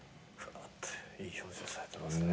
・いい表情されてますね。